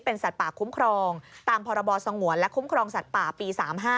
เป็นสัตว์ป่าคุ้มครองตามพศและคุ้มครองสัตว์ป่าปี๑๙๓๕